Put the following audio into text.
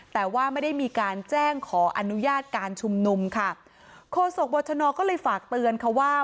แต่ว่าไม่ได้มีการแจ้งขออนุญาตการชุมนุมค่ะโฆษกบัชนก็เลยฝากเตือนค่ะว่า